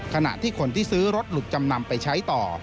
ขณะที่คนที่ซื้อรถหลุดจำนำไปใช้ต่อ